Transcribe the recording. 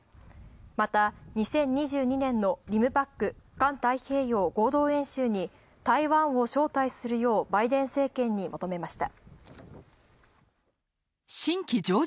また、２０２２年のリムパック＝環太平洋合同演習に台湾を招待するようバイデン政権に求めました。